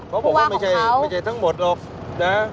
เขาบอกว่าไม่ใช่ทั้งหมดหรอกนะ